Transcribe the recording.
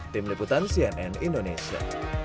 tim liputan cnn indonesia